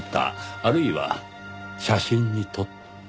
あるいは写真に撮った。